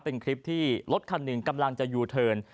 เป็นคลิปที่รถคันหนึ่งกำลังจะยูเทิร์น